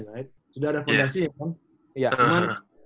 sudah ada fondasi ya kan